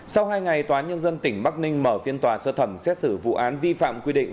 sau hai ngày tòa nhân dân tỉnh bắc ninh mở phiên tòa sơ thẩm xét xử vụ án vi phạm quy định